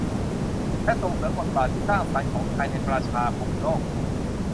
และส่งเสริมบทบาทที่สร้างสรรค์ของไทยในประชาคมโลก